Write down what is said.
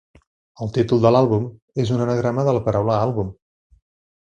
El títol de l'àlbum és un anagrama de la paraula 'àlbum'.